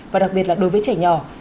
và đặc biệt là đối với trẻ nhỏ